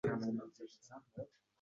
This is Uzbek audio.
Tiyoko indamadi